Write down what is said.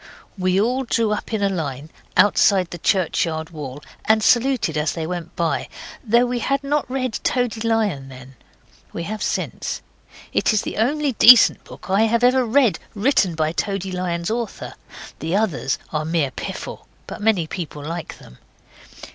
We all drew up in a line outside the churchyard wall, and saluted as they went by, though we had not read Toady Lion then. We have since. It is the only decent book I have ever read written by Toady Lion's author. The others are mere piffle. But many people like them.